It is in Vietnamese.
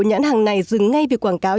nhãn hàng này dừng ngay vì quảng cáo